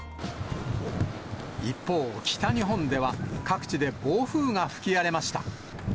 一方、北日本では、各地で暴風が吹き荒れました。